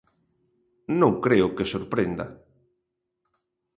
Non creo que sorprenda.